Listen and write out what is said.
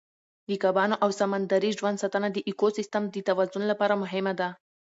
د کبانو او سمندري ژوند ساتنه د ایکوسیستم د توازن لپاره مهمه ده.